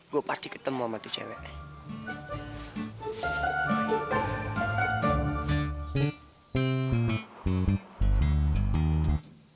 gua pasti ketemu ama tuh cewek